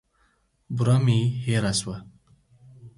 بوره مي هېره سوه .